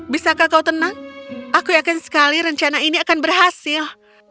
bisakah kau tenang aku yakin sekali rencana ini akan berhasil